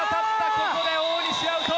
ここで大西アウト！